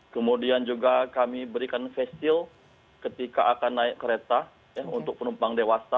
kemudian juga kami berikan fast stil ketika akan naik kereta untuk penumpang dewasa